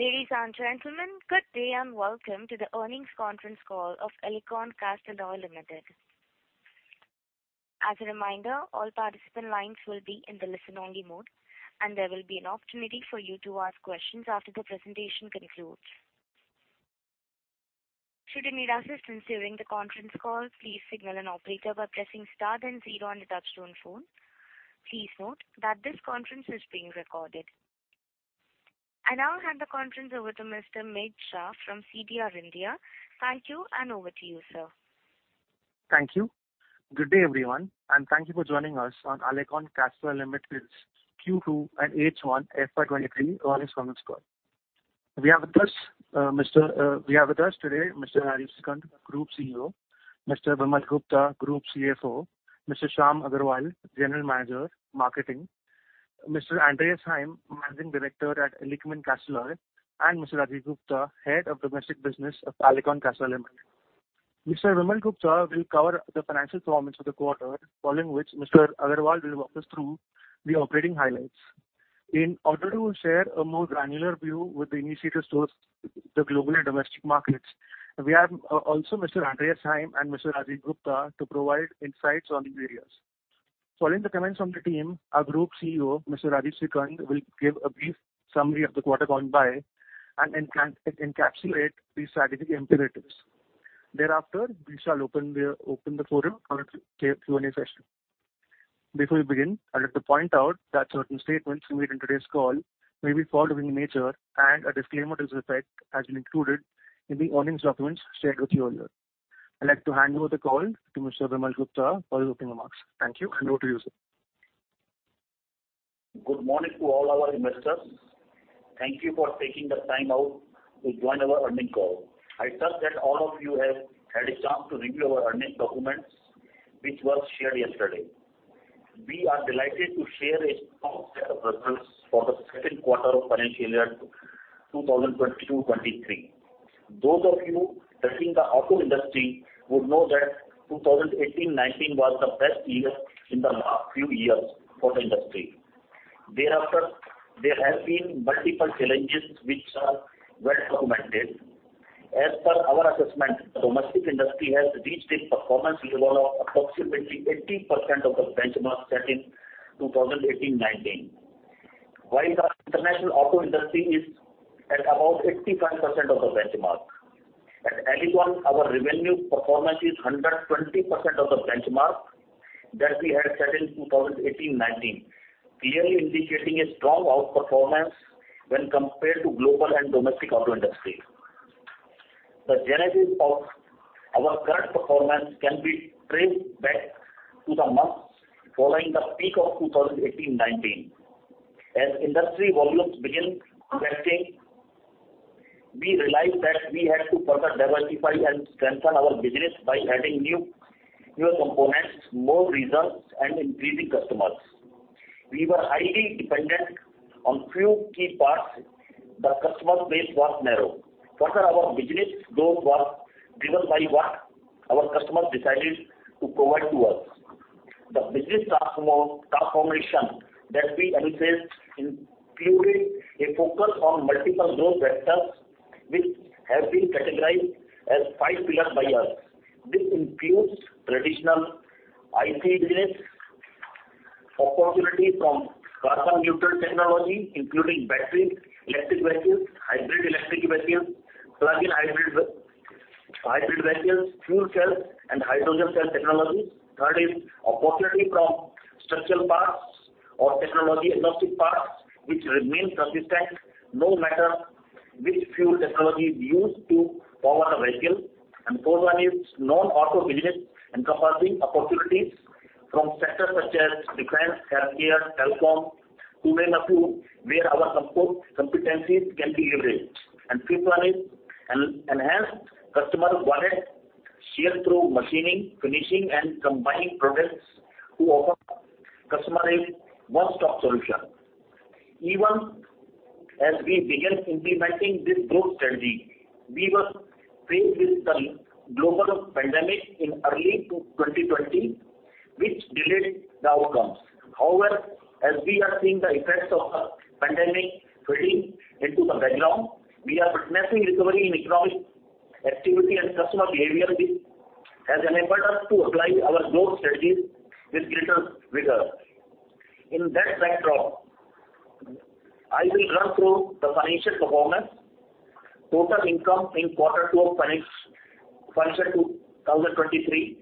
Ladies and gentlemen, good day and welcome to the earnings conference call of Alicon Castalloy Limited. As a reminder, all participant lines will be in the listen-only mode, and there will be an opportunity for you to ask questions after the presentation concludes. Should you need assistance during the conference call, please signal an operator by pressing star then zero on your touchtone phone. Please note that this conference is being recorded. I now hand the conference over to Mr. Mit Shah from CDR India. Thank you, and over to you, sir. Thank you. Good day, everyone, and thank you for joining us on Alicon Castalloy Limited's Q2 and H1 FY 2023 earnings conference call. We have with us today Mr. Rajeev Sikand, Group CEO, Mr. Vimal Gupta, Group CFO, Mr. Shyam Agarwal, General Manager, Marketing, Mr. Andreas Heim, Managing Director at Alicon Castalloy, and Mr. Rajiv Gupta, Head of Domestic Business of Alicon Castalloy Limited. Mr. Vimal Gupta will cover the financial performance of the quarter, following which Mr. Agarwal will walk us through the operating highlights. In order to share a more granular view with the initiatives towards the global and domestic markets, we have also Mr. Andreas Heim and Mr. Rajiv Gupta to provide insights on the areas. Following the comments from the team, our Group CEO, Mr. Rajeev Sikand will give a brief summary of the quarter gone by and encapsulate the strategic imperatives. Thereafter, we shall open the forum for a Q&A session. Before we begin, I'd like to point out that certain statements made in today's call may be forward-looking in nature, and a disclaimer to this effect has been included in the earnings documents shared with you earlier. I'd like to hand over the call to Mr. Vimal Gupta for his opening remarks. Thank you, and over to you, sir. Good morning to all our investors. Thank you for taking the time out to join our earnings call. I trust that all of you have had a chance to review our earnings documents, which was shared yesterday. We are delighted to share a strong set of results for the second quarter of financial year 2022-2023. Those of you tracking the auto industry would know that 2018-2019 was the best year in the last few years for the industry. Thereafter, there have been multiple challenges which are well documented. As per our assessment, the domestic industry has reached a performance level of approximately 80% of the benchmark set in 2018-2019, while the international auto industry is at about 85% of the benchmark. At Alicon, our revenue performance is 120% of the benchmark that we had set in 2018-2019, clearly indicating a strong outperformance when compared to global and domestic auto industry. The genesis of our current performance can be traced back to the months following the peak of 2018-2019. Industry volumes began crashing. We realized that we had to further diversify and strengthen our business by adding new components, more regions, and increasing customers. We were highly dependent on few key parts. The customer base was narrow. Further, our business growth was driven by what our customers decided to provide to us. The business transformation that we envisaged included a focus on multiple growth vectors, which have been categorized as five pillars by us. This includes traditional ICE business, opportunity from carbon neutral technology, including battery, electric vehicles, hybrid electric vehicles, plug-in hybrid vehicles, fuel cell and hydrogen cell technologies. Third is opportunity from structural parts or technology agnostic parts which remain consistent no matter which fuel technology is used to power the vehicle. Fourth one is non-auto business encompassing opportunities from sectors such as defense, healthcare, telecom, to name a few, where our support competencies can be leveraged. Fifth one is enhanced customer wallet share through machining, finishing and combining products to offer customers a one-stop solution. Even as we began implementing this growth strategy, we were faced with the global pandemic in early 2020, which delayed the outcomes. However, as we are seeing the effects of the pandemic fading into the background, we are witnessing recovery in economic activity and customer behavior which has enabled us to apply our growth strategies with greater vigor. In that backdrop, I will run through the financial performance. Total income in quarter two of financial 2023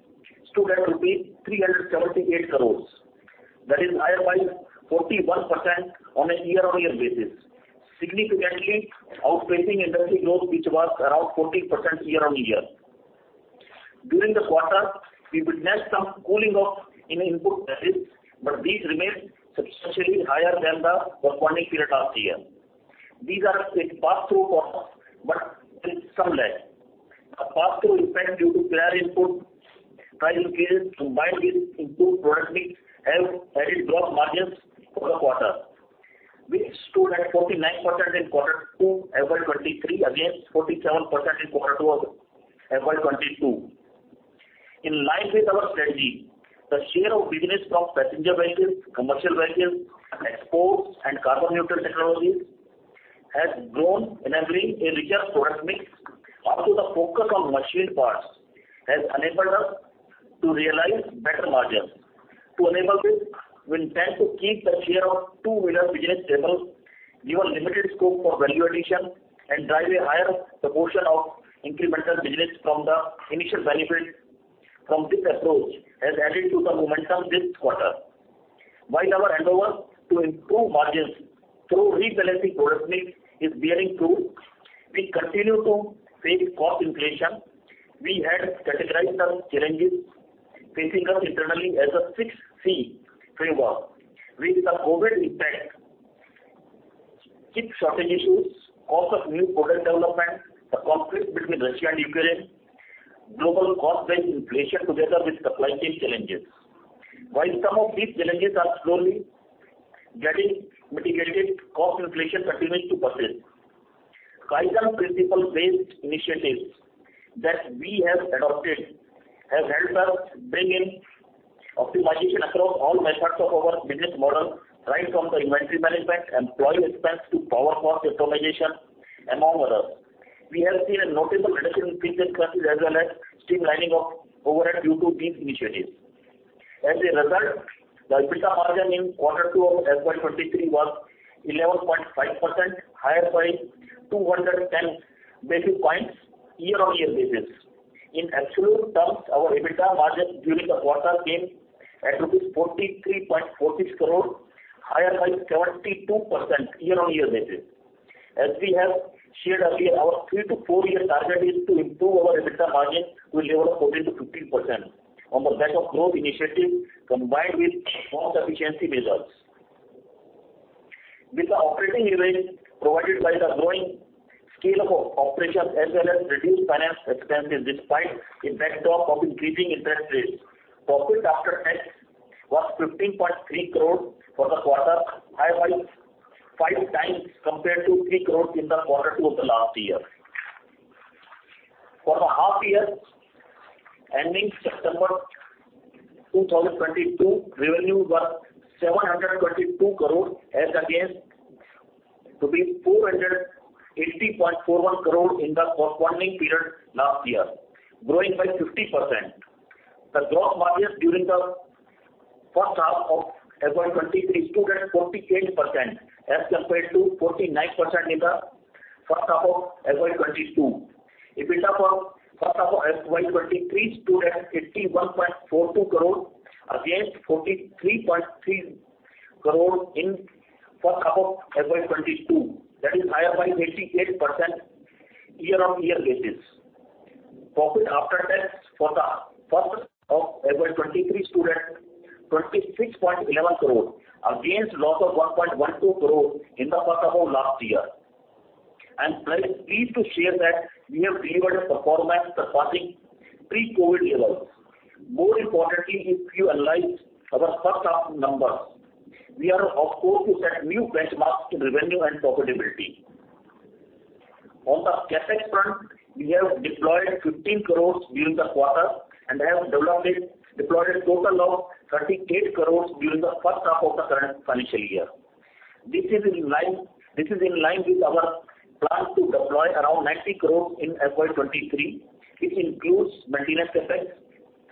stood at rupees 378 crore. That is higher by 41% on a year-on-year basis, significantly outpacing industry growth, which was around 14% year-on-year. During the quarter, we witnessed some cooling off in input prices, but these remained substantially higher than the corresponding period last year. These are a pass-through for us, but with some lag. A pass-through effect due to higher input price increases combined with improved product mix have added to gross margins for the quarter, which stood at 49% in quarter two FY 2023 against 47% in quarter two of FY 2022. In line with our strategy, the share of business from passenger vehicles, commercial vehicles, exports, and carbon neutral technologies has grown, enabling a richer product mix. Also, the focus on machined parts has enabled us to realize better margins. To enable this, we intend to keep the share of two-wheeler business stable, given limited scope for value addition, and drive a higher proportion of incremental business from passenger vehicles, commercial vehicles, exports, and carbon neutral technologies. The initial benefit from this approach has added to the momentum this quarter. While our endeavors to improve margins through rebalancing product mix is bearing fruit, we continue to face cost inflation. We had categorized the challenges facing us internally as a six C framework. With the COVID impact, chip shortage issues, cost of new product development, the conflict between Russia and Ukraine, global cost price inflation together with supply chain challenges. While some of these challenges are slowly getting mitigated, cost inflation continues to persist. Kaizen principle-based initiatives that we have adopted have helped us bring in optimization across all aspects of our business model, right from the inventory management, employee expense to power cost optimization, among others. We have seen a notable reduction in fixed costs as well as streamlining of overhead due to these initiatives. As a result, the EBITDA margin in quarter two of FY 2023 was 11.5%, higher by 210 basis points year-on-year basis. In absolute terms, our EBITDA margin during the quarter came at rupees 43.46 crore, higher by 72% year-on-year basis. As we have shared earlier, our three-four year target is to improve our EBITDA margin to a level of 14%-15% on the back of growth initiatives combined with cost efficiency measures. With the operating leverage provided by the growing scale of operations, as well as reduced finance expenses despite a backdrop of increasing interest rates, profit after tax was 15.3 crore for the quarter, higher by five times compared to 3 crore in quarter two of the last year. For the half year ending September 2022, revenue was 722 crore as against 480.41 crore in the corresponding period last year, growing by 50%. The gross margins during the first half of FY 2023 stood at 48% as compared to 49% in the first half of FY 2022. EBITDA for first half of FY 2023 stood at INR 51.42 crore against INR 43.3 crore in first half of FY 2022, that is higher by 88% year-on-year basis. Profit after tax for the first half of FY 2023 stood at 26.11 crore against loss of 1.12 crore in the first half of last year. I'm very pleased to share that we have delivered a performance surpassing pre-COVID levels. More importantly, if you analyze our first half numbers, we are on course to set new benchmarks in revenue and profitability. On the CapEx front, we have deployed 15 crore during the quarter and deployed a total of 38 crore during the first half of the current financial year. This is in line with our plan to deploy around 90 crore in FY 2023. This includes maintenance CapEx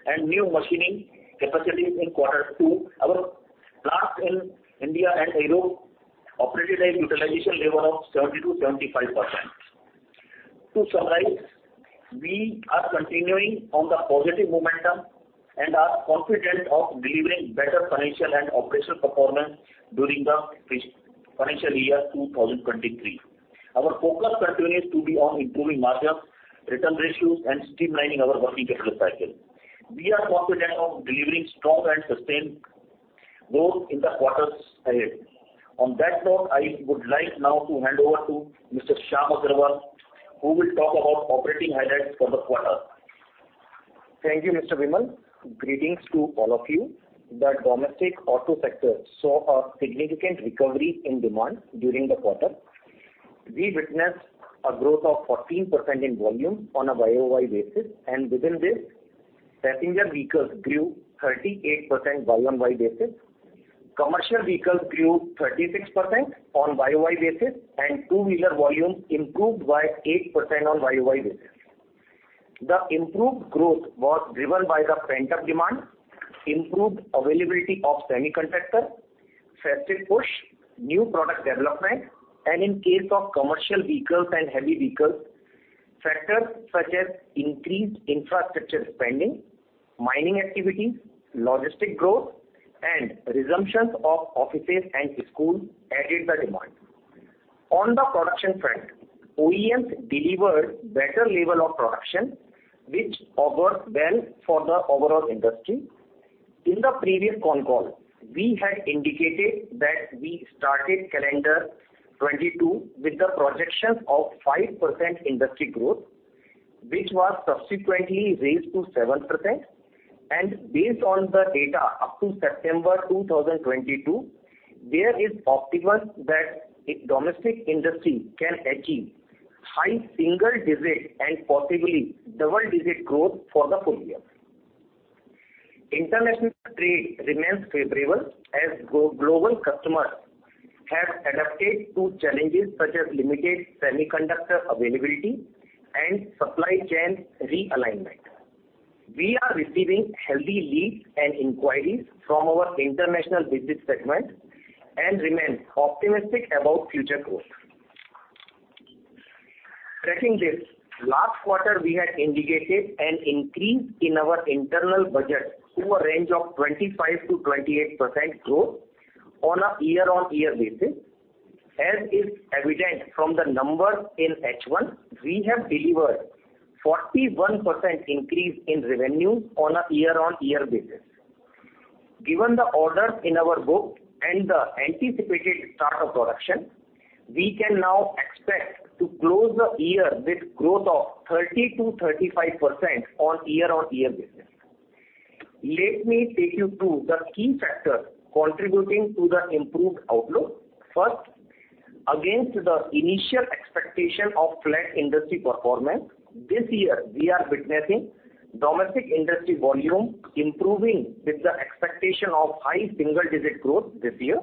and new machining capacities in quarter two. Our plants in India and Europe operated at utilization level of 70%-75%. To summarize, we are continuing on the positive momentum and are confident of delivering better financial and operational performance during the financial year 2023. Our focus continues to be on improving margins, return ratios, and streamlining our working capital cycle. We are confident of delivering strong and sustained growth in the quarters ahead. On that note, I would like now to hand over to Mr. Shyam Agarwal, who will talk about operating highlights for the quarter. Thank you, Mr. Vimal. Greetings to all of you. The domestic auto sector saw a significant recovery in demand during the quarter. We witnessed a growth of 14% in volume on a YoY basis, and within this, passenger vehicles grew 38% YoY basis. Commercial vehicles grew 36% on YoY basis, and two-wheeler volumes improved by 8% on YoY basis. The improved growth was driven by the pent-up demand, improved availability of semiconductor, festive push, new product development, and in case of commercial vehicles and heavy vehicles, factors such as increased infrastructure spending, mining activities, logistic growth, and resumptions of offices and schools added the demand. On the production front, OEMs delivered better level of production, which augurs well for the overall industry. In the previous con call, we had indicated that we started calendar 2022 with the projection of 5% industry growth, which was subsequently raised to 7%. Based on the data up to September 2022, there is optimism that the domestic industry can achieve high single-digit and possibly double-digit growth for the full year. International trade remains favorable as global customers have adapted to challenges such as limited semiconductor availability and supply chain realignment. We are receiving healthy leads and inquiries from our international business segment and remain optimistic about future growth. Tracking this, last quarter we had indicated an increase in our internal budget to a range of 25%-28% growth on a year-on-year basis. As is evident from the numbers in H1, we have delivered 41% increase in revenue on a year-on-year basis. Given the orders in our book and the anticipated start of production, we can now expect to close the year with growth of 30%-35% on year-on-year basis. Let me take you through the key factors contributing to the improved outlook. First, against the initial expectation of flat industry performance, this year we are witnessing domestic industry volume improving with the expectation of high single-digit growth this year.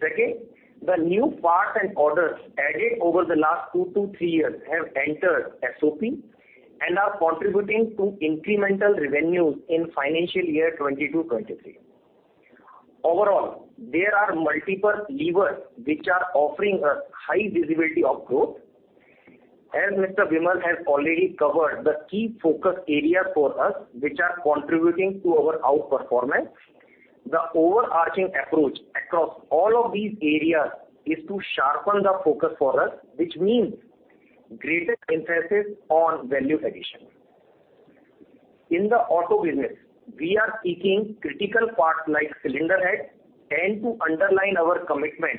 Second, the new parts and orders added over the last two-three years have entered SOP and are contributing to incremental revenues in financial year 2022-2023. Overall, there are multiple levers which are offering a high visibility of growth. As Mr. Vimal has already covered the key focus areas for us, which are contributing to our outperformance. The overarching approach across all of these areas is to sharpen the focus for us, which means greater emphasis on value addition. In the auto business, we are seeking critical parts like Cylinder Head. To underline our commitment,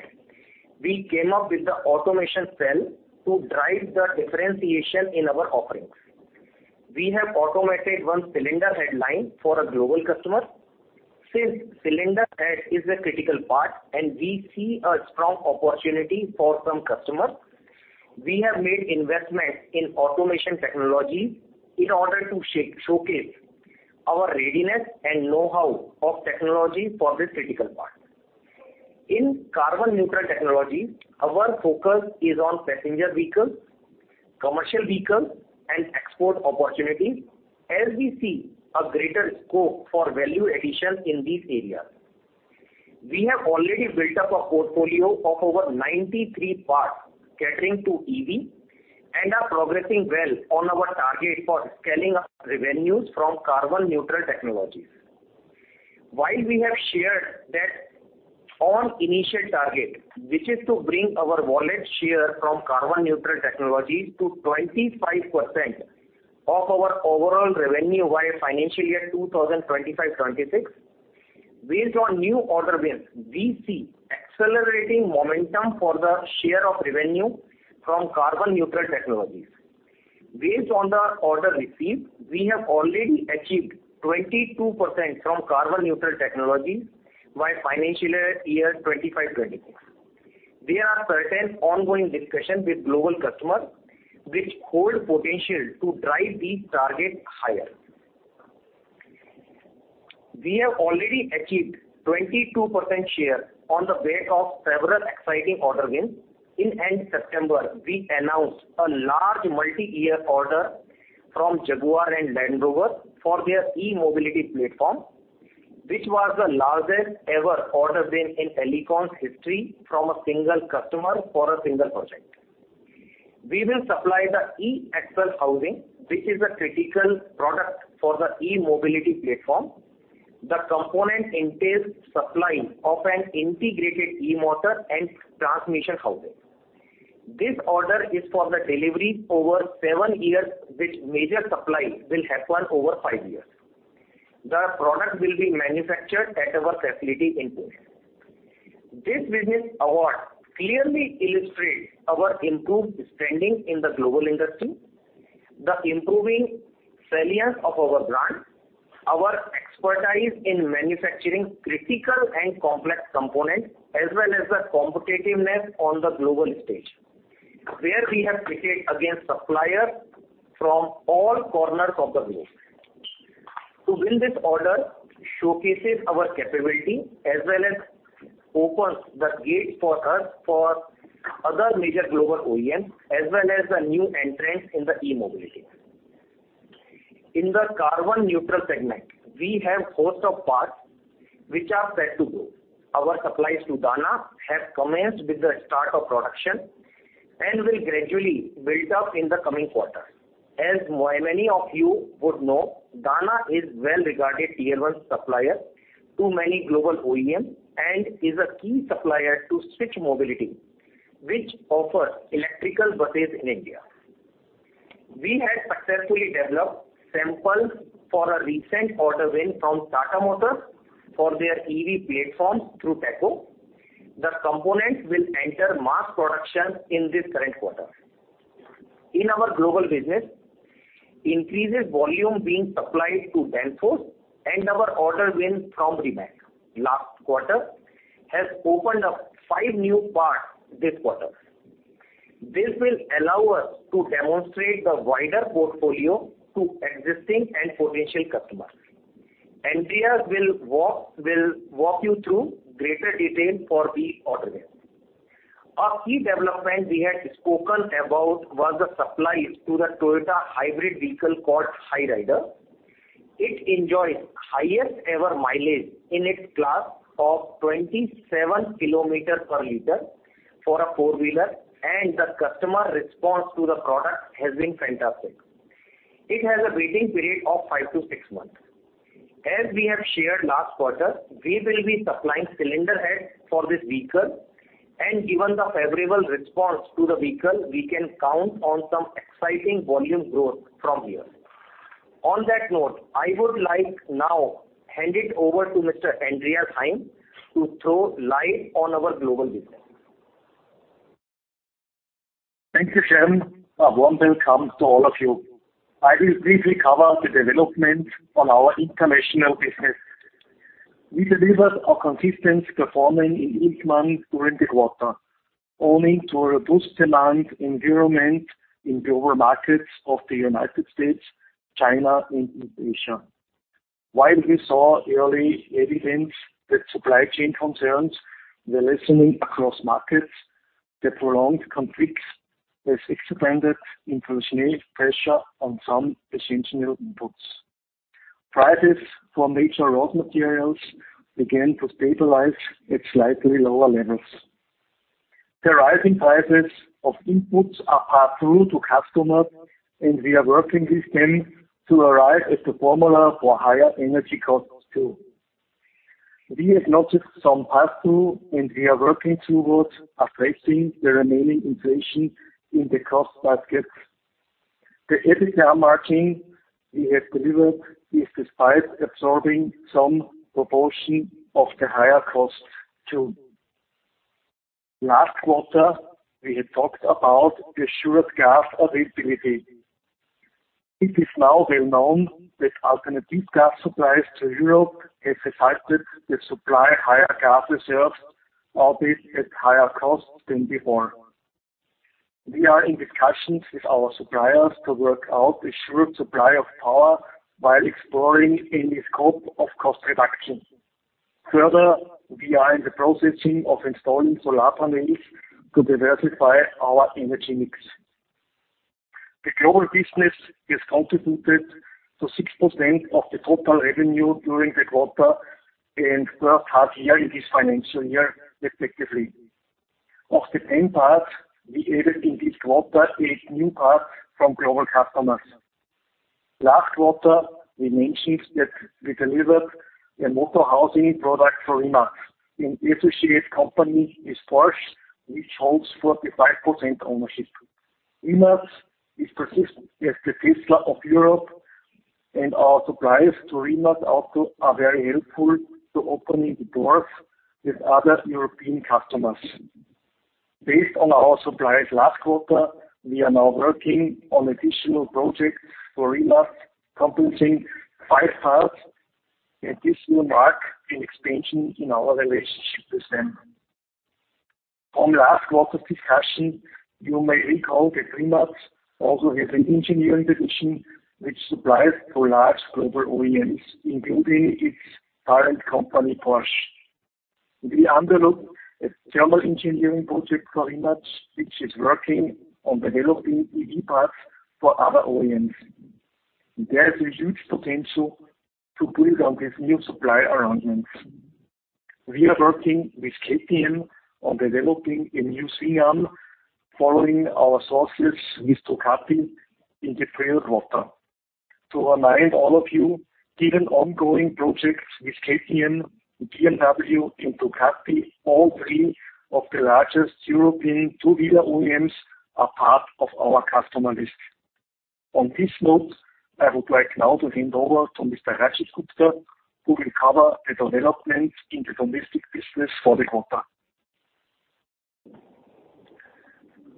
we came up with the automation cell to drive the differentiation in our offerings. We have automated one Cylinder Head line for a global customer. Since Cylinder Head is a critical part and we see a strong opportunity for some customers, we have made investments in automation technology in order to showcase our readiness and know-how of technology for this critical part. In carbon neutral technology, our focus is on passenger vehicles, commercial vehicles and export opportunities as we see a greater scope for value addition in these areas. We have already built up a portfolio of over 93 parts catering to EV and are progressing well on our target for scaling up revenues from carbon neutral technologies. While we have shared that on initial target, which is to bring our wallet share from carbon neutral technologies to 25% of our overall revenue by financial year 2025-2026, based on new order wins, we see accelerating momentum for the share of revenue from carbon neutral technologies. Based on the order received, we have already achieved 22% from carbon neutral technologies by financial year 2025-2026. There are certain ongoing discussions with global customers which hold potential to drive these targets higher. We have already achieved 22% share on the back of several exciting order wins. In end September, we announced a large multi-year order from Jaguar Land Rover for their e-mobility platform, which was the largest ever order win in Alicon's history from a single customer for a single project. We will supply the E-Axle Housing, which is a critical product for the e-mobility platform. The component entails supply of an integrated eMotor and Transmission Housing. This order is for the delivery over seven years, which major supply will happen over five years. The product will be manufactured at our facility in Pune. This business award clearly illustrates our improved standing in the global industry, the improving salience of our brand, our expertise in manufacturing critical and complex components, as well as the competitiveness on the global stage, where we have pitted against suppliers from all corners of the globe. To win this order showcases our capability as well as opens the gate for us for other major global OEMs as well as the new entrants in the e-mobility. In the carbon neutral segment, we have host of parts which are set to go. Our supplies to Dana have commenced with the start of production and will gradually build up in the coming quarters. As many of you would know, Dana is well-regarded Tier 1 supplier to many global OEMs and is a key supplier to Switch Mobility, which offers electrical buses in India. We have successfully developed samples for a recent order win from Tata Motors for their EV platforms through TACO. The components will enter mass production in this current quarter. In our global business. Increases volume being supplied to Beinbauer and our order win from Rimac last quarter has opened up five new parts this quarter. This will allow us to demonstrate the wider portfolio to existing and potential customers. Andreas Heim will walk you through greater detail for the order win. A key development we had spoken about was the supplies to the Toyota hybrid vehicle called Hyryder. It enjoys highest ever mileage in its class of 27 km per liter for a four-wheeler, and the customer response to the product has been fantastic. It has a waiting period of five-six months. As we have shared last quarter, we will be supplying Cylinder Heads for this vehicle, and given the favorable response to the vehicle, we can count on some exciting volume growth from here. On that note, I would like now hand it over to Mr. Andreas Heim to throw light on our global business. Thank you, Shyam. A warm welcome to all of you. I will briefly cover the development on our international business. We delivered a consistent performance in Illichmann during the quarter, owing to a robust demand environment in the global markets of the United States, China and Indonesia. While we saw early evidence that supply chain concerns were lessening across markets, the prolonged conflict has extended inflationary pressure on some essential inputs. Prices for major raw materials began to stabilize at slightly lower levels. The rising prices of inputs are passed through to customers, and we are working with them to arrive at the formula for higher energy costs too. We have noticed some pass-through, and we are working towards addressing the remaining inflation in the cost basket. The EBITDA margin we have delivered is despite absorbing some proportion of the higher costs too. Last quarter, we had talked about the assured gas availability. It is now well known that alternative gas supplies to Europe have resulted in higher gas reserves, albeit at higher cost than before. We are in discussions with our suppliers to work out assured supply of power while exploring any scope of cost reduction. Further, we are in the process of installing solar panels to diversify our energy mix. The global business has contributed to 6% of the total revenue during the quarter and first half year in this financial year, respectively. Of the 10 parts we added in this quarter, eight new parts from global customers. Last quarter, we mentioned that we delivered a motor housing product for Rimac, an associated company with Porsche, which holds 45% ownership. Rimac is perceived as the Tesla of Europe, and our suppliers to Rimac also are very helpful to opening the doors with other European customers. Based on our supplies last quarter, we are now working on additional projects for Rimac, comprising five parts, and this will mark an expansion in our relationship with them. From last quarter's discussion, you may recall that Rimac also has an engineering division which supplies to large global OEMs, including its parent company, Porsche. We undertook a thermal engineering project for Rimac, which is working on developing EV parts for other OEMs. There is a huge potential to build on this new supply arrangements. We are working with KTM on developing a new swing arm, following our sourcing with Ducati in the prior quarter. To remind all of you, given ongoing projects with KTM, BMW and Ducati, all three of the largest European two-wheeler OEMs are part of our customer list. On this note, I would like now to hand over to Mr. Rajiv Gupta, who will cover the development in the domestic business for the quarter.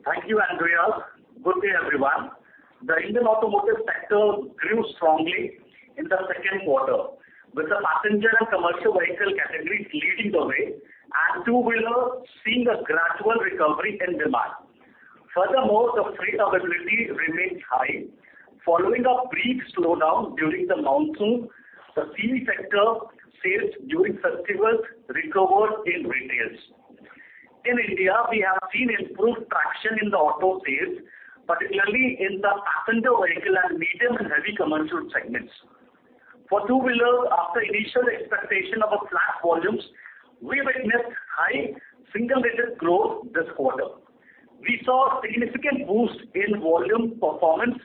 Thank you, Andreas. Good day, everyone. The Indian automotive sector grew strongly in the second quarter, with the passenger and commercial vehicle categories leading the way and two-wheeler seeing a gradual recovery in demand. Furthermore, the freight availability remains high. Following a brief slowdown during the monsoon, the CV sector sales during festivals recovered in retail. In India, we have seen improved traction in the auto sales, particularly in the passenger vehicle and medium and heavy commercial segments. For two-wheelers, after initial expectation of flat volumes, we witnessed high single-digit growth this quarter. We saw a significant boost in volume performance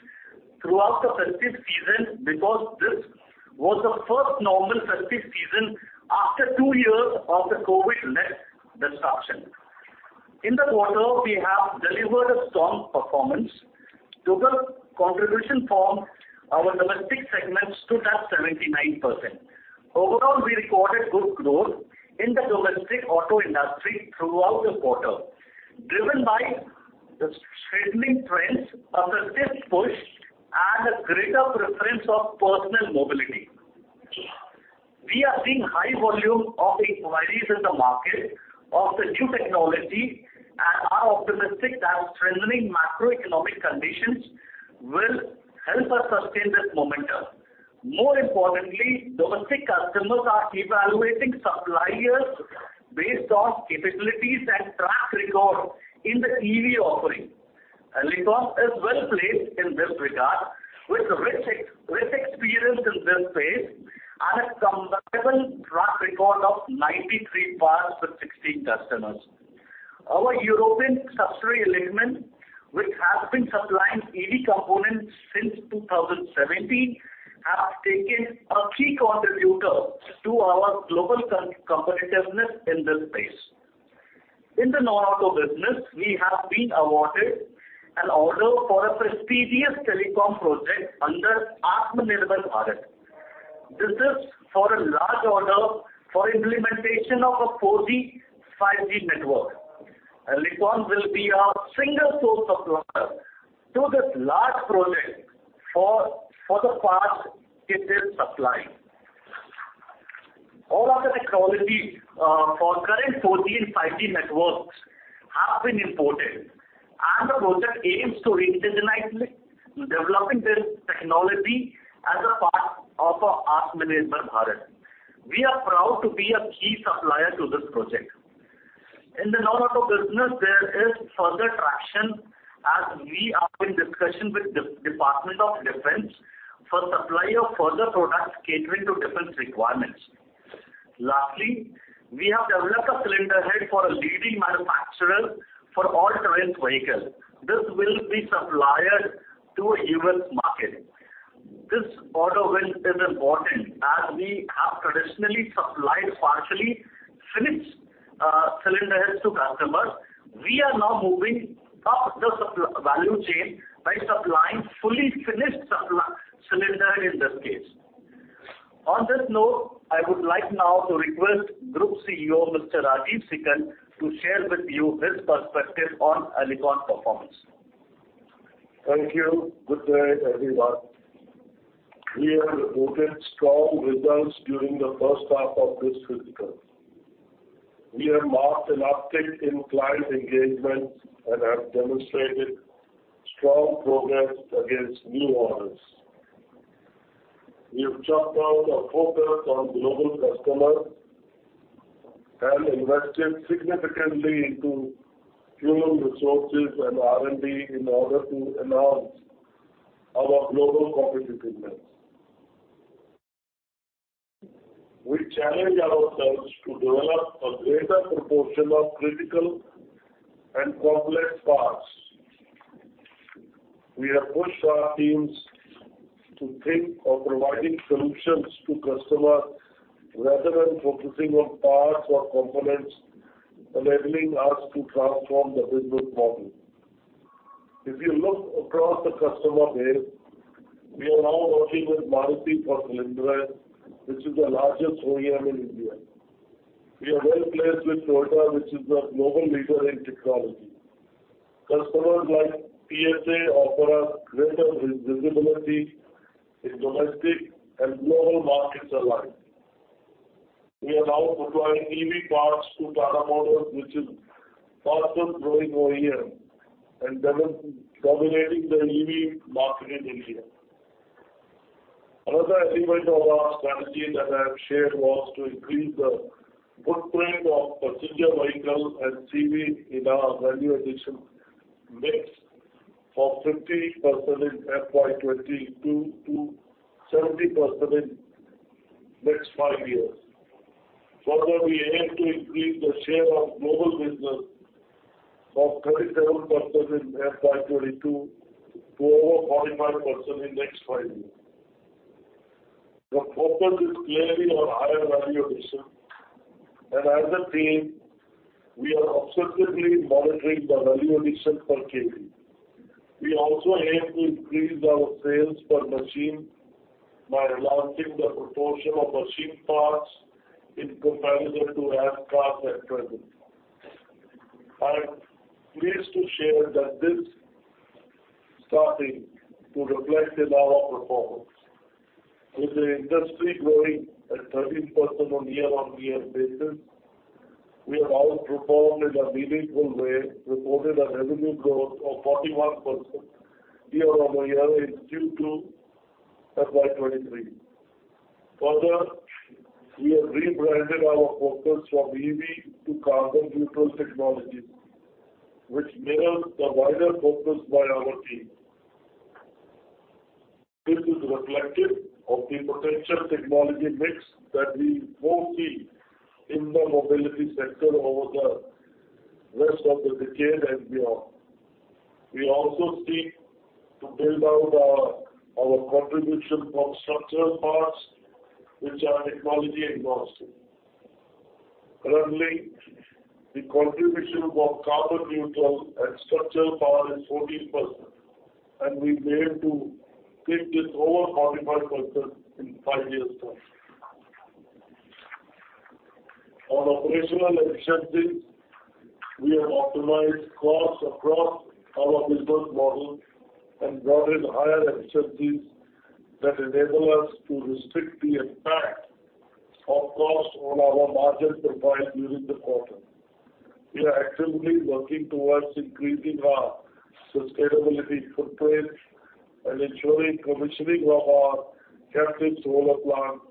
throughout the festive season because this was the first normal festive season after two years of the COVID-led disruption. In the quarter, we have delivered a strong performance. Total contribution from our domestic segment stood at 79%. Overall, we recorded good growth in the domestic auto industry throughout the quarter, driven by the shifting trends of the shift push and a greater preference of personal mobility. We are seeing high volume of inquiries in the market of the new technology and are optimistic that strengthening macroeconomic conditions will help us sustain this momentum. More importantly, domestic customers are evaluating suppliers based on capabilities and track record in the EV offering. Alicon is well-placed in this regard with rich experience in this space and a comparable track record of 93 parts with 16 customers. Our European subsidiary, Illichmann, which has been supplying EV components since 2017, has been a key contributor to our global competitiveness in this space. In the non-auto business, we have been awarded an order for a prestigious telecom project under Atmanirbhar Bharat. This is for a large order for implementation of a 4G, 5G network. Alicon will be a single-source supplier to this large project for the parts it is supplying. All other technology for current 4G and 5G networks have been imported, and the project aims to indigenously developing this technology as a part of Atmanirbhar Bharat. We are proud to be a key supplier to this project. In the non-auto business, there is further traction as we are in discussion with Department of Defense for supply of further products catering to defense requirements. Lastly, we have developed a Cylinder Head for a leading manufacturer for all-terrain vehicles. This will be supplied to a U.S. market. This order win is important as we have traditionally supplied partially finished Cylinder Heads to customers. We are now moving up the value chain by supplying fully finished Cylinder Head in this case. On this note, I would like now to request Group CEO, Mr. Rajeev Sikand, to share with you his perspective on Alicon performance. Thank you. Good day, everyone. We have reported strong results during the first half of this fiscal. We have marked an uptick in client engagement and have demonstrated strong progress against new orders. We have chalked out a focus on global customers and invested significantly into human resources and R&D in order to enhance our global competitiveness. We challenge ourselves to develop a greater proportion of critical and complex parts. We have pushed our teams to think of providing solutions to customers rather than focusing on parts or components, enabling us to transform the business model. If you look across the customer base, we are now working with Maruti for Cylinder Heads, which is the largest OEM in India. We are well-placed with Toyota, which is a global leader in technology. Customers like PSA offer us greater visibility in domestic and global markets alike. We are now supplying EV parts to Tata Motors, which is fastest growing OEM and dominating the EV market in India. Another element of our strategy that I have shared was to increase the footprint of passenger vehicle and CV in our value addition mix from 50% in FY 2022 to 70% in next five years. Further, we aim to increase the share of global business from 37% in FY 2022 to over 45% in next five years. The focus is clearly on higher value addition, and as a team, we are obsessively monitoring the value addition per kg. We also aim to increase our sales per machine by enhancing the proportion of machine parts in comparison to raw castings at present. I'm pleased to share that this starting to reflect in our performance. With the industry growing at 13% on year-on-year basis, we have outperformed in a meaningful way, reported a revenue growth of 41% year-on-year in Q2 FY 2023. Further, we have rebranded our focus from EV to carbon neutral technologies, which mirrors the wider focus by our team. This is reflective of the potential technology mix that we foresee in the mobility sector over the rest of the decade and beyond. We also seek to build out our contribution from structural parts which are equally important. Currently, the contribution of carbon neutral and structural power is 14%, and we aim to take this over 45% in five years' time. On operational efficiencies, we have optimized costs across our business model and brought in higher efficiencies that enable us to restrict the impact of costs on our margin profile during the quarter. We are actively working towards increasing our sustainability footprint and ensuring commissioning of our captive solar plant,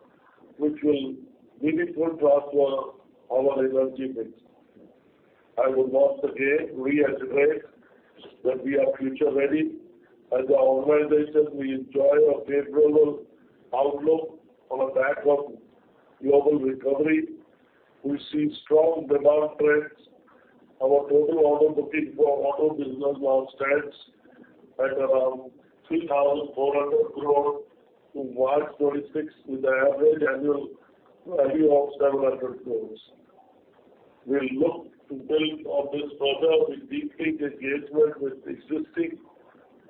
which will give a full transfer to our energy mix. We would once again reiterate that we are future-ready. As an organization, we enjoy a favorable outlook on the back of global recovery. We see strong demand trends. Our total order booking for auto business now stands at around 3,400 crore to March 2026, with the average annual value of 700 crores. We look to build on this further with deep engagement with existing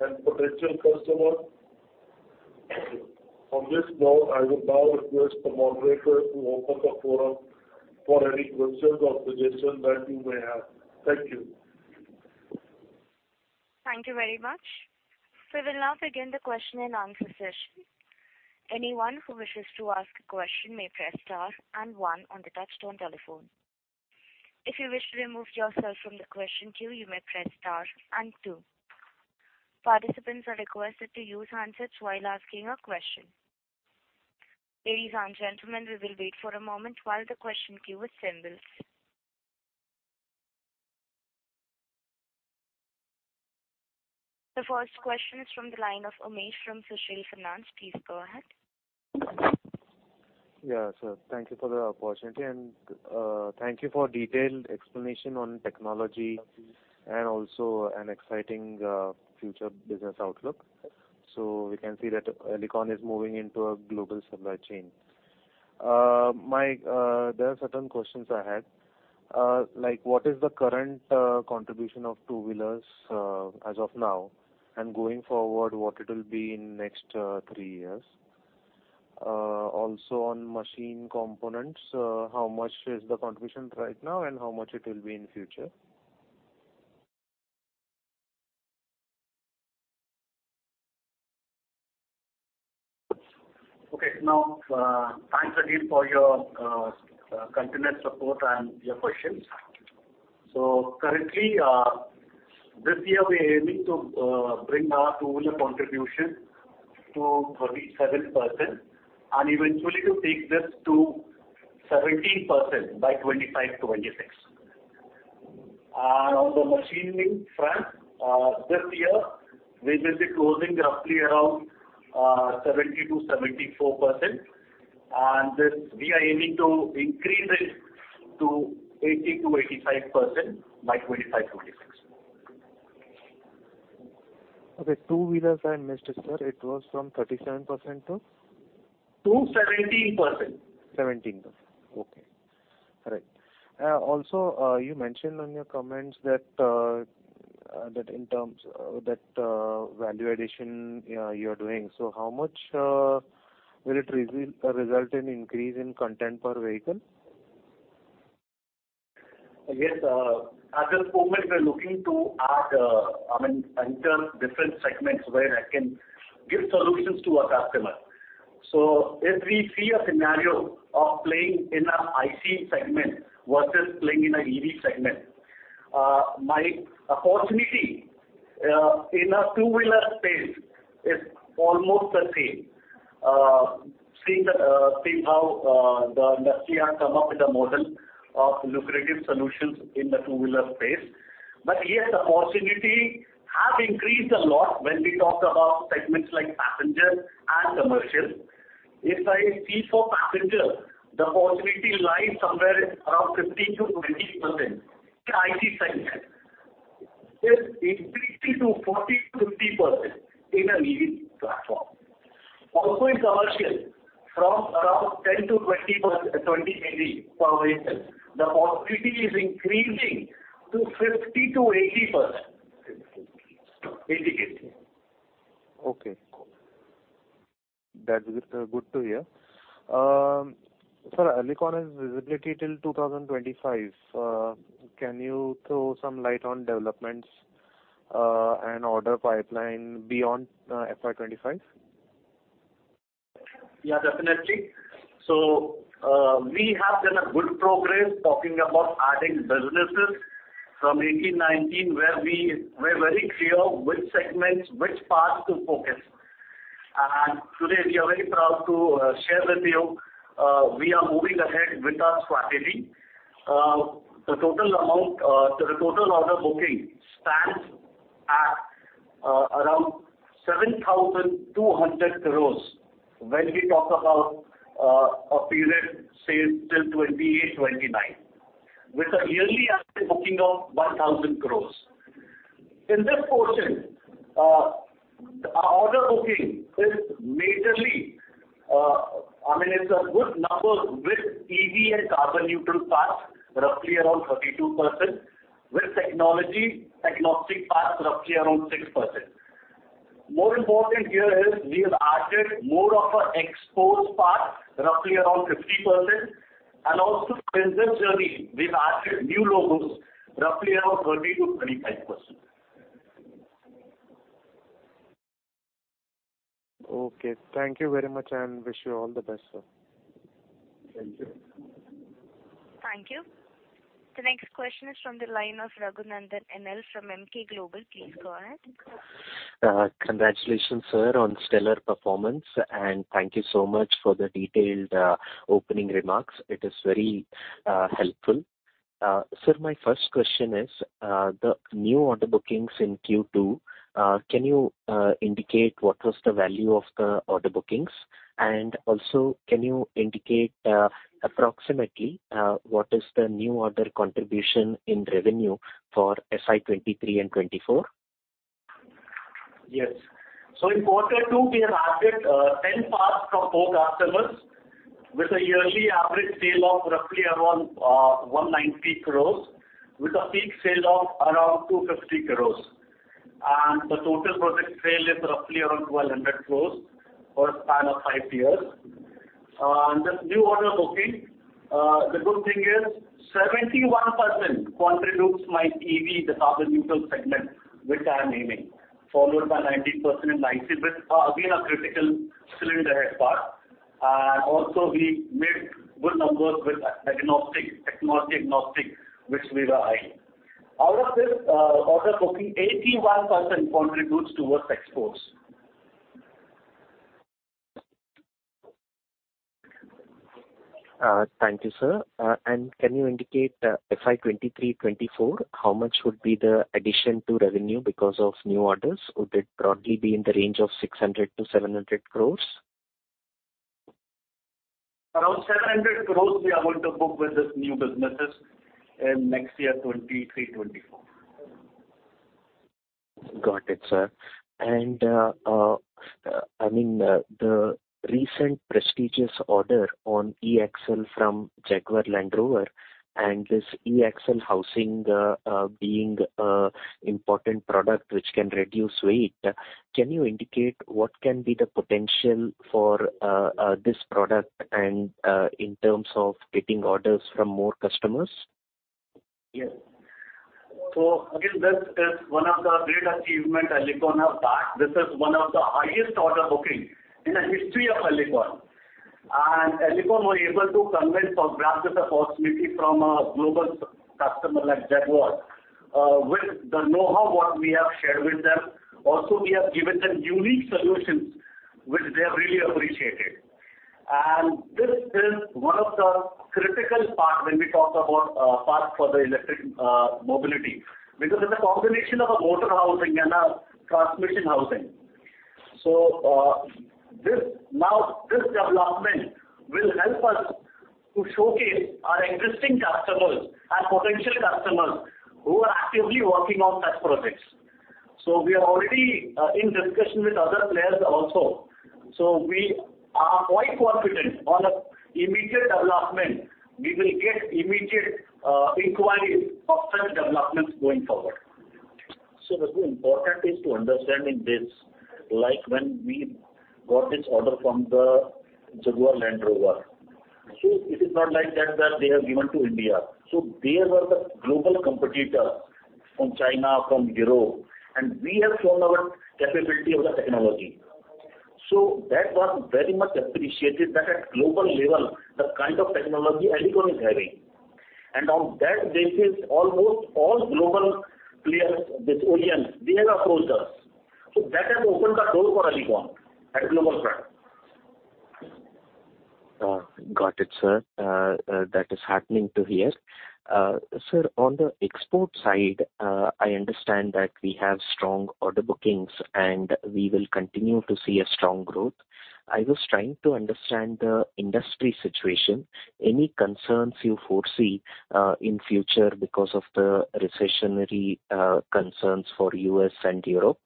and potential customers. On this note, I will now request the moderator to open the forum for any questions or suggestions that you may have. Thank you. Thank you very much. We will now begin the question and answer session. Anyone who wishes to ask a question may press star and one on the touchtone telephone. If you wish to remove yourself from the question queue, you may press star and two. Participants are requested to use handsets while asking a question. Ladies and gentlemen, we will wait for a moment while the question queue assembles. The first question is from the line of Umesh from Sushil Finance. Please go ahead. Yeah, sir. Thank you for the opportunity and thank you for detailed explanation on technology and also an exciting future business outlook. We can see that Alicon is moving into a global supply chain. There are certain questions I had, like what is the current contribution of two-wheelers as of now, and going forward, what it will be in next three years? Also on machine components, how much is the contribution right now and how much it will be in future? Okay, now, thanks again for your continuous support and your questions. Currently, this year we're aiming to bring our two-wheeler contribution to 37% and eventually to take this to 17% by 2025, 2026. On the machining front, this year we will be closing roughly around 70%-74%. This, we are aiming to increase it to 80%-85% by 2025, 2026. Okay. Two-wheelers, I missed, sir. It was from 37% to? To 17%. 17%. Okay. All right. Also, you mentioned in your comments that value addition you're doing. How much will it result in an increase in content per vehicle? Yes, at this moment we are looking to add, I mean, enter different segments where I can give solutions to our customer. If we see a scenario of playing in a IC segment versus playing in a EV segment, my opportunity in a two-wheeler space is almost the same. See how the industry has come up with a model of lucrative solutions in the two-wheeler space. Yes, the opportunity has increased a lot when we talk about segments like passenger and commercial. If I see for passenger, the opportunity lies somewhere around 15%-20% in IC segment. It's 80%-40%-50% in an EV platform. Also in commercial, from around 10-20 AD per vehicle, the opportunity is increasing to 50%-80%. Okay. That's good to hear. Sir, Alicon has visibility till 2025. Can you throw some light on developments, and order pipeline beyond FY 2025? Yeah, definitely. We have done a good progress talking about adding businesses from 2018-2019, where we were very clear which segments, which parts to focus. Today we are very proud to share with you, we are moving ahead with our strategy. The total order booking stands at around 7,200 crores when we talk about a period, say till 2028- 2029, with a yearly average booking of 1,000 crores. In this portion, our order booking is majorly, I mean, it's a good number with EV and carbon neutral parts, roughly around 32%, with technology parts roughly around 6%. More important here is we have added more of our exports part roughly around 50% and also in this journey we've added new logos roughly around 30%-35%. Okay, thank you very much and wish you all the best, sir. Thank you. Thank you. The next question is from the line of Raghunandhan NL from Emkay Global. Please go ahead. Congratulations, sir, on stellar performance, and thank you so much for the detailed opening remarks. It is very helpful. Sir, my first question is, the new order bookings in Q2, can you indicate what was the value of the order bookings? Also, can you indicate, approximately, what is the new order contribution in revenue for FY 2023 and FY 2024? Yes. In quarter two, we have added 10 parts from four customers with a yearly average sale of roughly around 190 crores, with a peak sale of around 250 crores. The total project value is roughly around 1,200 crores for a span of five years. In the new order booking, the good thing is 71% in EV, the carbon neutral segment which I am aiming, followed by 19% in ICE with again a critical Cylinder Head part. We also made good numbers with technology agnostic, which we were eyeing. Out of this order booking, 81% contributes towards exports. Thank you, sir. Can you indicate, FY 2023/2024, how much would be the addition to revenue because of new orders? Would it broadly be in the range of 600-700 crore? Around 700 crore we are going to book with these new businesses in next year, 2023/2024. Got it, sir. I mean, the recent prestigious order on E-Axle from Jaguar Land Rover and this E-Axle Housing being important product which can reduce weight, can you indicate what can be the potential for this product and in terms of getting orders from more customers? Yes. Again, that's one of the great achievement Alicon have bagged. This is one of the highest order booking in the history of Alicon. Alicon were able to convince or grab this opportunity from a global customer like Jaguar with the know-how what we have shared with them. Also, we have given them unique solutions which they have really appreciated. This is one of the critical part when we talk about parts for the electric mobility, because it's a combination of a motor housing and a transmission housing. This development will help us to showcase our existing customers and potential customers who are actively working on such projects. We are already in discussion with other players also. We are quite confident on a immediate development. We will get immediate inquiries of such developments going forward. Sir, the important is to understand in this, like when we got this order from the Jaguar Land Rover, so it is not like that they have given to India. There were the global competitor from China, from Europe, and we have shown our capability of the technology. That was very much appreciated that at global level, the kind of technology Alicon is having. On that basis, almost all global players, this OEMs, they have approached us. That has opened the door for Alicon at global front. Got it, sir. That is heartening to hear. Sir, on the export side, I understand that we have strong order bookings, and we will continue to see a strong growth. I was trying to understand the industry situation. Any concerns you foresee in future because of the recessionary concerns for U.S. and Europe?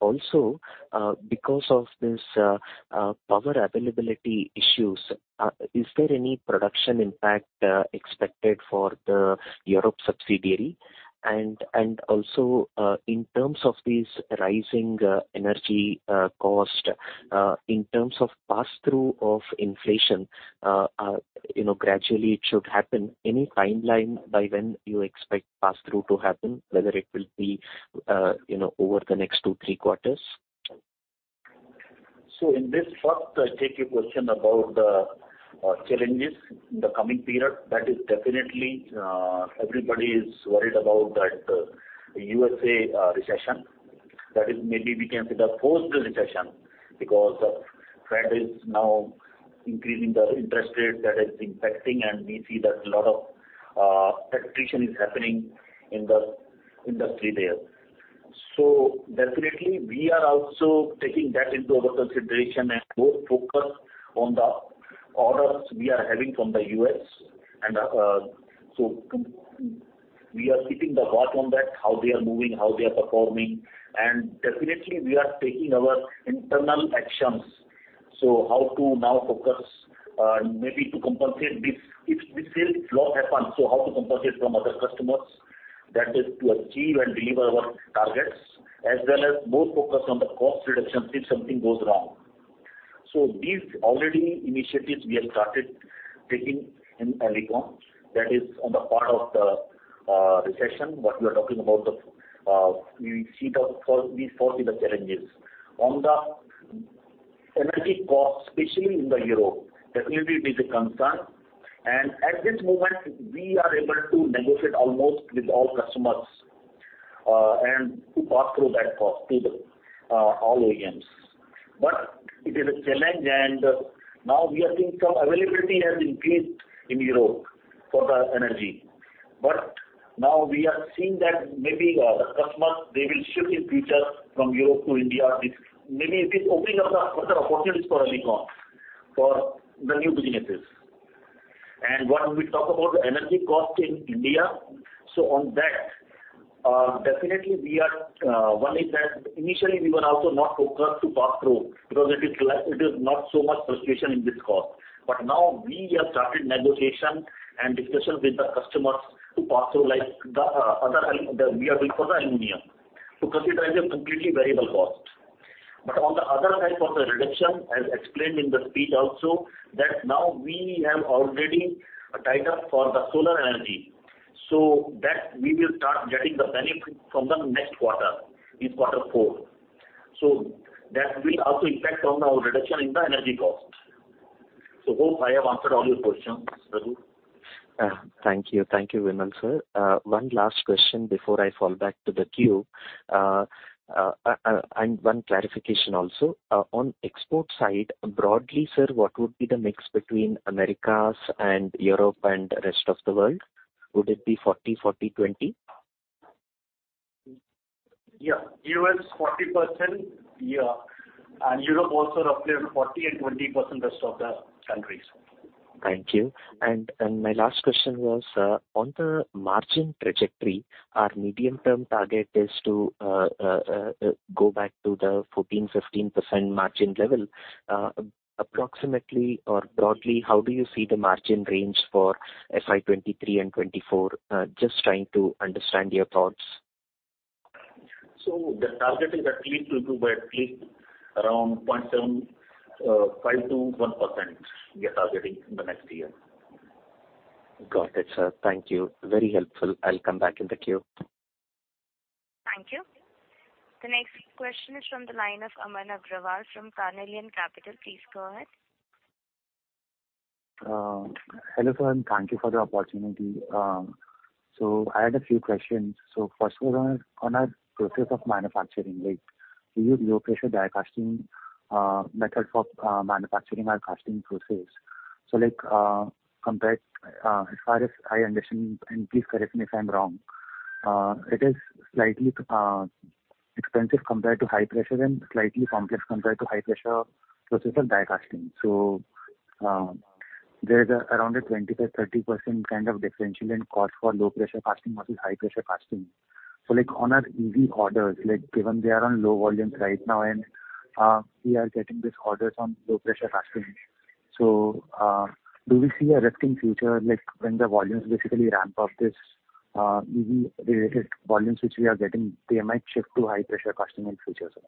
Also, because of this power availability issues, is there any production impact expected for the Europe subsidiary? Also, in terms of these rising energy cost, in terms of passthrough of inflation, you know, gradually it should happen. Any timeline by when you expect passthrough to happen, whether it will be, you know, over the next two, three quarters? In this first sticky question about the challenges in the coming period, that is definitely everybody is worried about that, U.S. recession. That is maybe we can say the post-recession because the Fed is now increasing the interest rates that is impacting, and we see that a lot of attrition is happening in the industry there. Definitely we are also taking that into our consideration and more focused on the orders we are having from the U.S. and, so we are keeping the guard on that, how they are moving, how they are performing, and definitely we are taking our internal actions. How to now focus, maybe to compensate this, if this slowdown happens, so how to compensate from other customers that is to achieve and deliver our targets as well as more focus on the cost reduction if something goes wrong. These already initiatives we have started taking in Alicon that is on the part of the recession, what we are talking about the, we see these forces, the challenges. On the energy cost, especially in Europe, definitely it is a concern. At this moment, we are able to negotiate almost with all customers, and to pass through that cost to the all OEMs. It is a challenge, and now we are seeing some availability has increased in Europe for the energy. Now we are seeing that maybe the customers they will shift in future from Europe to India. It may be opening up further opportunities for Alicon for the new businesses. When we talk about the energy cost in India, so on that, definitely we are, one is that initially we were also not focused to pass through because it is not so much fluctuation in this cost. Now we have started negotiation and discussions with the customers to pass through like the other we are doing for the aluminum to consider as a completely variable cost. On the other side for the reduction, as explained in the speech also, that now we have already tied up for the solar energy, so that we will start getting the benefit from the next quarter, in quarter four. That will also impact on our reduction in the energy cost. I hope I have answered all your questions, sir. Thank you. Thank you, Vimal, sir. One last question before I fall back to the queue. One clarification also. On export side, broadly, sir, what would be the mix between Americas and Europe and rest of the world? Would it be 40$-20%? Yeah. U.S., 40%. Yeah. Europe also roughly 40%, and 20% rest of the countries. Thank you. My last question was on the margin trajectory, our medium-term target is to go back to the 14%-15% margin level. Approximately or broadly, how do you see the margin range for FY 2023 and FY 2024? Just trying to understand your thoughts. The target is at least to improve at least around 0.75%-1% we are targeting in the next year. Got it, sir. Thank you. Very helpful. I'll come back in the queue. Thank you. The next question is from the line of Aman Agrawal from Carnelian Capital. Please go ahead. Hello, sir, and thank you for the opportunity. I had a few questions. First was on our process of manufacturing, like we use low pressure die casting method for manufacturing our casting process. Like, compared, as far as I understand, and please correct me if I'm wrong, it is slightly expensive compared to high pressure and slightly complex compared to high pressure process of die casting. There is around a 25%-30% kind of differential in cost for low pressure casting versus high pressure casting. Like on our EV orders, like given they are on low volumes right now and we are getting these orders on low pressure casting. Do we see a risk in future like when the volumes basically ramp up this EV related volumes which we are getting, they might shift to high pressure casting in future, sir?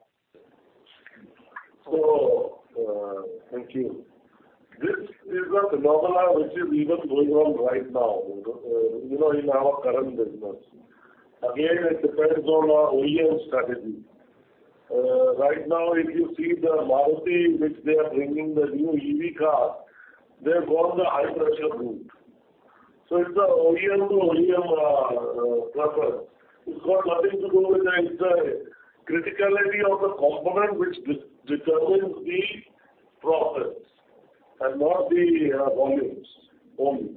Thank you. This is a phenomenon which is even going on right now, you know, in our current business. Again, it depends on our OEM strategy. Right now, if you see the Maruti which they are bringing the new EV car, they have gone the high pressure route. It's an OEM to OEM preference. It's got nothing to do with the criticality of the component which determines the process and not the volumes only.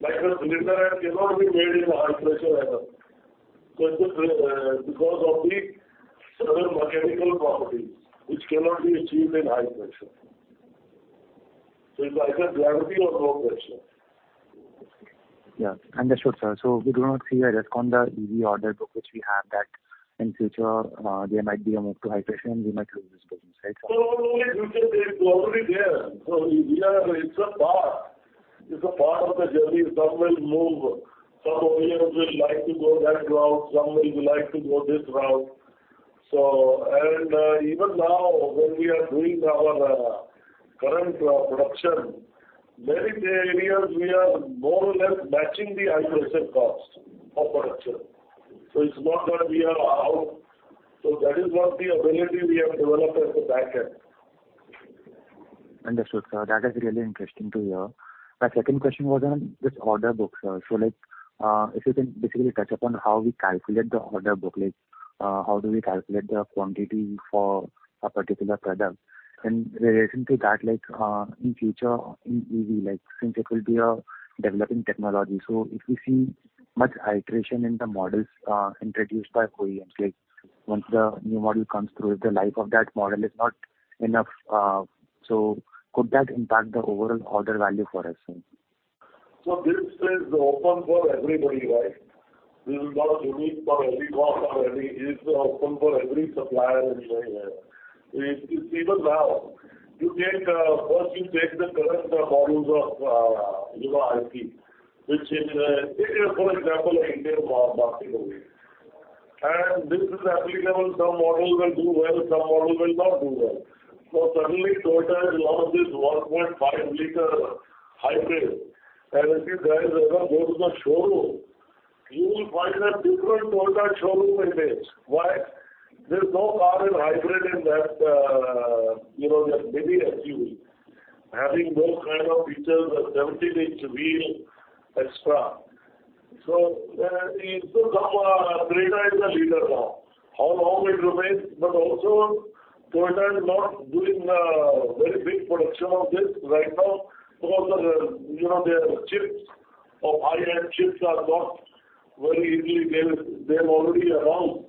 Like a cylinder cannot be made in a high pressure either. It's because of the certain mechanical properties which cannot be achieved in high pressure. It's either gravity or low pressure. Yes. Understood, sir. We do not see a risk on the EV order book which we have that in future, there might be a move to high pressure and we might lose this business, right? No, not only future, they're already there. It's a part of the journey. Some will move. Some OEMs will like to go that route, some will like to go this route. Even now when we are doing our current production, there in the areas we are more or less matching the high pressure cost of production. It's not that we are out. That is not the ability we have developed at the back end. Understood, sir. That is really interesting to hear. My second question was on this order book, sir. Like, if you can basically touch upon how we calculate the order book. Like, how do we calculate the quantity for a particular product? Relating to that, like, in future, in EV, like, since it will be a developing technology, so if we see much iteration in the models, introduced by OEMs, like once the new model comes through, if the life of that model is not enough, so could that impact the overall order value for us then? This is open for everybody, right? This is not unique for any car or any. It's open for every supplier. It's even now. First you take the current models of, you know, ICE, take it for example, Indian market only. This is applicable, some models will do well, some models will not do well. Suddenly Toyota has launched this 1.5 liter hybrid. If you guys ever go to the showroom, you will find a different Toyota showroom it is. Why? There's no car in hybrid in that, you know, maybe SUV. Having those kind of features, a 17-inch wheel, extra. It could come, Toyota is the leader now. How long it remains? Toyota is not doing a very big production of this right now because, you know, their chips or high-end chips are not very easily available. They have already around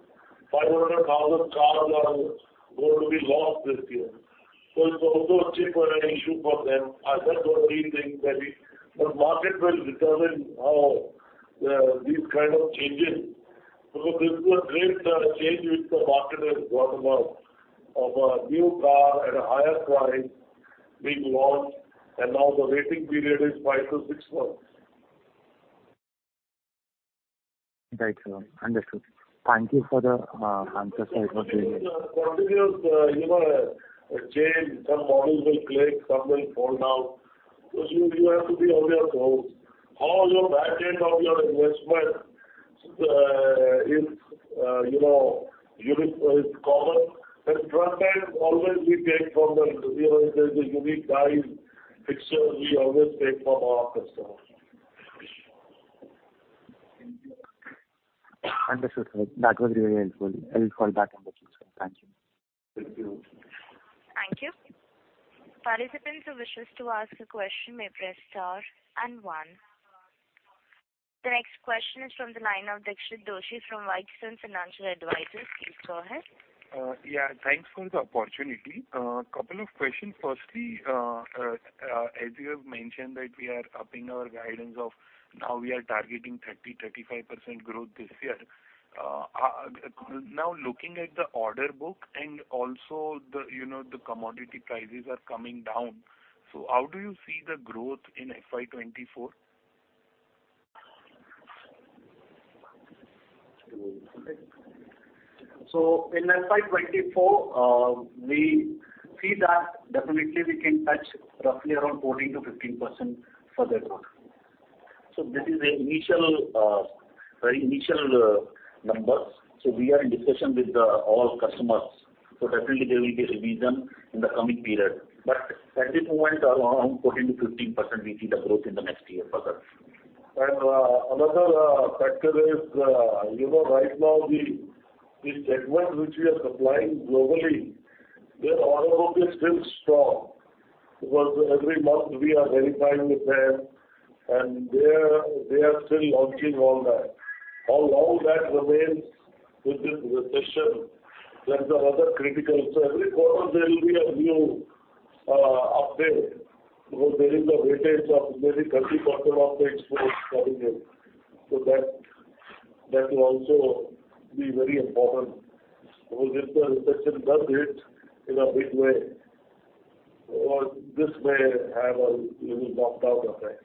500,000 cars are going to be lost this year. It's also a chip issue for them. Other three things maybe. Market will determine how these kind of changes, because this is a great change which the market has brought about of a new car at a higher price being launched and now the waiting period is five-six months. Right, sir. Understood. Thank you for the answers. Continuous, you know, change. Some models will click, some will fall down. You have to be on your toes. All your back end of your investment is, you know, unique, it's common. Front end always we take from the, you know, if there's a unique size, fixture, we always take from our customers. Understood, sir. That was really helpful. I'll call back in that case. Thank you. Thank you. Thank you. Participants who wish to ask a question may press star and one. The next question is from the line of Dixit Doshi from Whitestone Financial Advisors. Please go ahead. Yeah, thanks for the opportunity. Couple of questions. Firstly, as you have mentioned that we are upping our guidance of now we are targeting 30%-35% growth this year. Now looking at the order book and also the, you know, the commodity prices are coming down. How do you see the growth in FY 2024? In FY 2024, we see that definitely we can touch roughly around 14%-15% for that growth. This is the initial, very initial, numbers. We are in discussion with all customers. Definitely there will be a revision in the coming period. At this moment, around 14%-15% we see the growth in the next year for us. Another factor is, you know, right now the segment which we are supplying globally, their order book is still strong. Because every month we are verifying with them and they are still launching all that. How long that remains with this recession, that's another critical. Every quarter there will be a new update because there is a weightage of maybe 30% of the exports coming in. That will also be very important. Because if the recession does hit in a big way or this may have a little knock-down effect.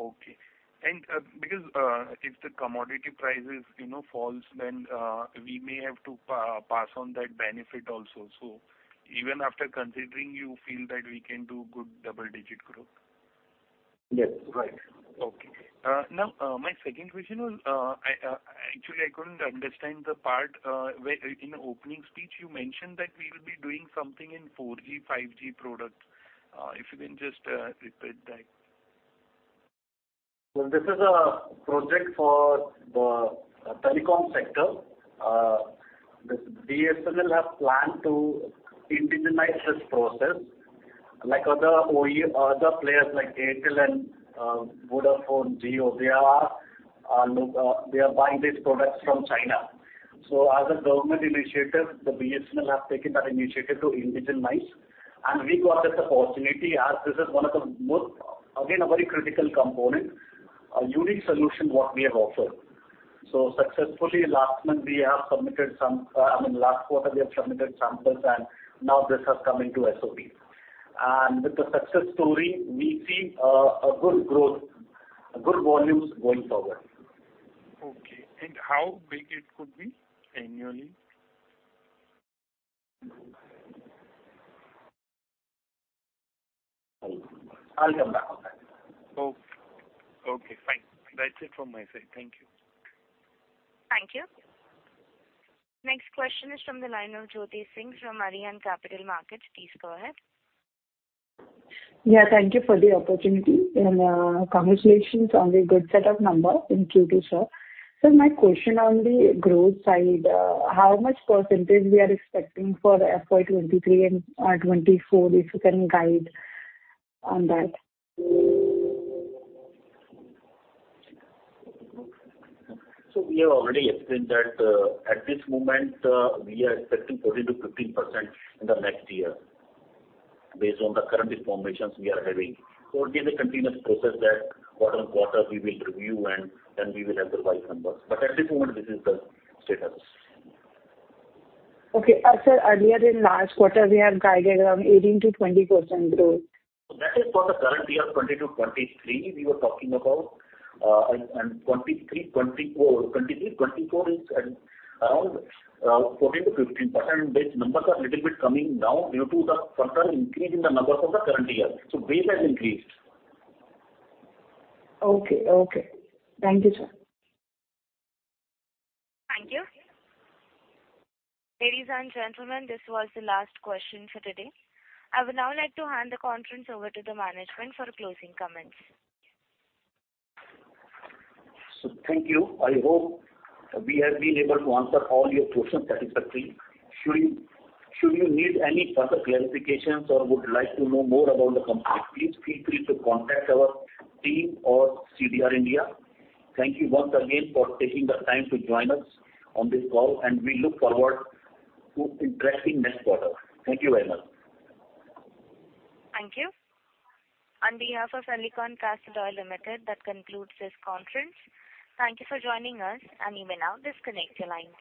Okay. Because, if the commodity prices, you know, falls, then, we may have to pass on that benefit also. So even after considering you feel that we can do good double-digit growth? Yes. Right. Okay. Now, my second question was, actually I couldn't understand the part where in the opening speech you mentioned that we will be doing something in 4G, 5G products. If you can just repeat that. This is a project for the telecom sector. The BSNL have planned to indigenize this process. Like other OEM, other players like Airtel and Vodafone, Jio, they are buying these products from China. As a government initiative, the BSNL has taken that initiative to indigenize. We got that opportunity as this is one of the most, again, a very critical component, a unique solution what we have offered. Successfully last month we have submitted some, I mean, last quarter we have submitted samples, and now this has come into SOP. With the success story, we see a good growth, good volumes going forward. Okay. How big it could be annually? I'll come back on that. Oh. Okay, fine. That's it from my side. Thank you. Thank you. Next question is from the line of Jyoti Singh from Arihant Capital Markets. Please go ahead. Yeah, thank you for the opportunity. Congratulations on the good set of numbers in Q2, sir. Sir, my question on the growth side, how much percentage we are expecting for FY 2023 and FY 2024, if you can guide on that? We have already explained that, at this moment, we are expecting 14%-15% in the next year based on the current information we are having. It is a continuous process that quarter-on-quarter we will review and then we will have the right numbers. At this moment this is the status. Okay. Sir, earlier in last quarter we have guided around 18%-20% growth. That is for the current year 2022-2023 we were talking about. And 2023-2024. 2023-2024 is at around 14%-15%. These numbers are little bit coming down due to the further increase in the numbers of the current year. Base has increased. Okay, okay. Thank you, sir. Thank you. Ladies and gentlemen, this was the last question for today. I would now like to hand the conference over to the management for closing comments. Thank you. I hope we have been able to answer all your questions satisfactorily. Should you need any further clarifications or would like to know more about the company, please feel free to contact our team or CDR India. Thank you once again for taking the time to join us on this call, and we look forward to interacting next quarter. Thank you very much. Thank you. On behalf of Alicon Castalloy Limited, that concludes this conference. Thank you for joining us, and you may now disconnect your lines.